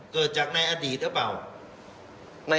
เกิดจากในอดีตหรือเปล่า